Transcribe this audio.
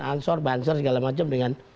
ansor banser segala macam dengan